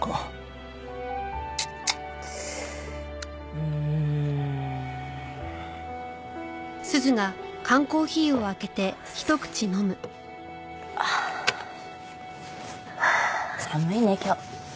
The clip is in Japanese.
うーん。はあ寒いね今日。